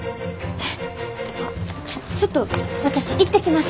えちょちょっと私行ってきます。